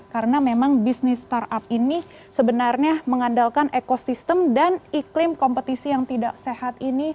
karena memang bisnis startup ini sebenarnya mengandalkan ekosistem dan iklim kompetisi yang tidak sehat ini